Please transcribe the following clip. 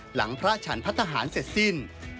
หลังพระฉันพัฒนาหารเสร็จสิ้น